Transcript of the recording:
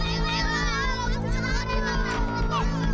eh jangan digoyang goyangin